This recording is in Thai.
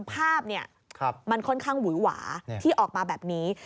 ภาพมันค่อนข้างหวือหวาที่ออกมาแบบนี้